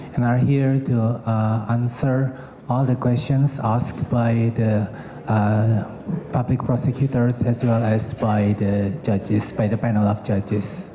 dan kami di sini untuk menjawab semua pertanyaan yang dijawab oleh prosedur publik dan penelitian